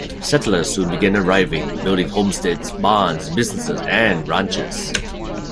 Settlers soon began arriving, building homesteads, barns, businesses, and ranches.